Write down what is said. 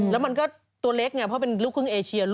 แล้วมันก็ตัวเล็กไงเพราะเป็นลูกครึ่งเอเชีย